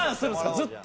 ずっと。